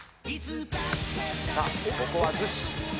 さあここは逗子。